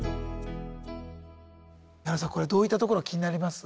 矢野さんこれどういったところが気になります？